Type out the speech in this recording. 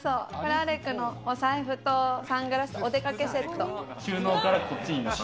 アレクのお財布とサングラス、お出かけセット。